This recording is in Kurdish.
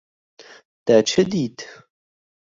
Te çi dît?